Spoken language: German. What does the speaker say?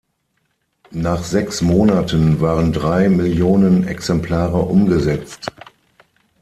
Nach sechs Monaten waren drei Millionen Exemplare umgesetzt.